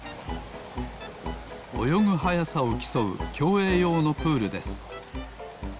およぐはやさをきそうきょうえいようのプールです。